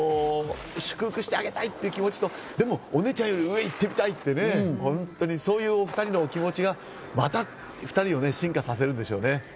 祝福してあげたいって気持ちと、でもお姉ちゃんより上行ってみたいってね、そういう２人のお気持ちがまた２人を進化させるんでしょうね。